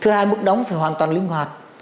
thứ hai mức đóng phải hoàn toàn linh hoạt